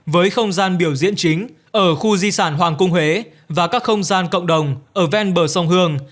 với không gian biểu diễn chính ở khu di sản hoàng cung huế và các không gian cộng đồng ở ven bờ sông hương